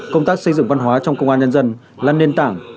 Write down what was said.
công tác xây dựng văn hóa trong công an nhân dân là nền tảng